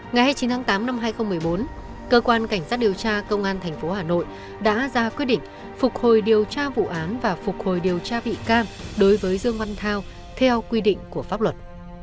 ngày hai mươi chín tháng tám năm hai nghìn một mươi bốn cơ quan cảnh sát điều tra công an tp hà nội đã ra quyết định phục hồi điều tra vụ án và phục hồi điều tra vị cam đối với dương văn thao theo quy định của pháp luật